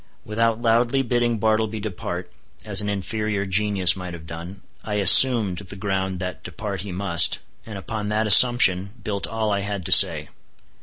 Without loudly bidding Bartleby depart—as an inferior genius might have done—I assumed the ground that depart he must; and upon that assumption built all I had to say.